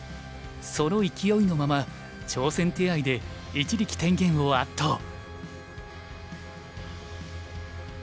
その勢いのまま挑戦手合で一力天元を圧倒。